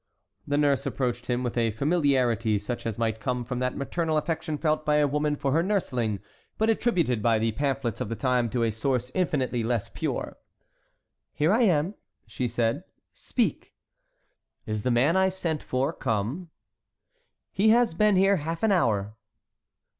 The nurse approached him with a familiarity such as might come from that maternal affection felt by a woman for her nursling, but attributed by the pamphlets of the time to a source infinitely less pure. "Here I am," said she; "speak!" "Is the man I sent for come?" "He has been here half an hour."